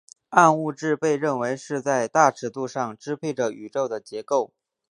暗物质被认为是在大尺度上支配着宇宙的结构。